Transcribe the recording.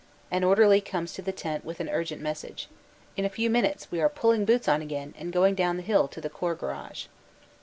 An orderly comes to the tent with an urgent message. .. In a few minutes we are pulling boots on again and going down the hill to the Corps garage.